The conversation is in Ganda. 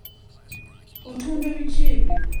Otunda biki ebyo?